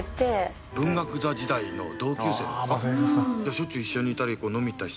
しょっちゅう一緒にいたり飲みに行ったり。